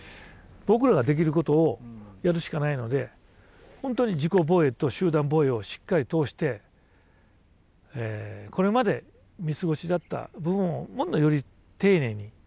僕らができることをやるしかないので本当に自己防衛と集団防衛をしっかり通してこれまで見過ごしだった部分をもっとより丁寧に。